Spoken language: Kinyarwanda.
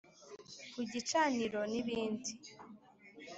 Ku Gicaniro n’ibindi